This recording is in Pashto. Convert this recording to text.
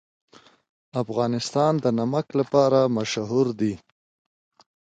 افغانستان د نمک لپاره مشهور دی.